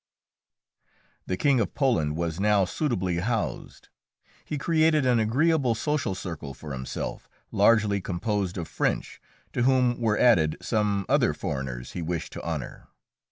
The King of Poland was now suitably housed. He created an agreeable social circle for himself, largely composed of French, to whom were added some other foreigners he wished to honour.